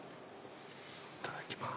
いただきます。